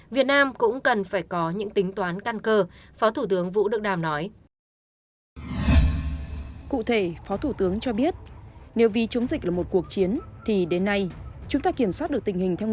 việt nam cũng cần phải có những tính toán căn cơ phó thủ tướng vũ đức đàm nói